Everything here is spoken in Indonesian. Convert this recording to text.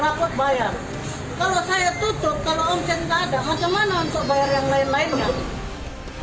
kalau saya tutup kalau om jen tak ada macam mana om jen bayar yang lain lainnya